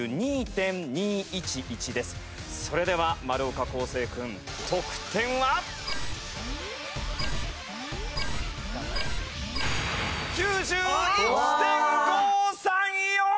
それでは丸岡晃聖くん得点は！？９１．５３４！